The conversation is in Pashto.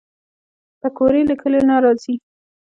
پکورې له کلیو نه راځي